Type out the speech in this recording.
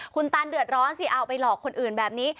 คุณตันเดือดร้อนสิเอาไปหลอกคนอื่นแบบนี้